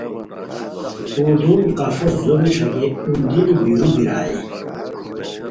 پردوم ای قفو زومی ݯاکئے اوندینی بیرو بیرائے